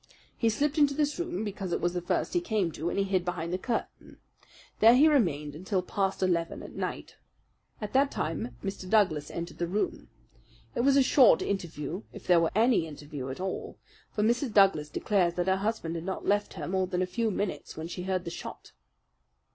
He slipped into this room because it was the first he came to, and he hid behind the curtain. There he remained until past eleven at night. At that time Mr. Douglas entered the room. It was a short interview, if there were any interview at all; for Mrs. Douglas declares that her husband had not left her more than a few minutes when she heard the shot."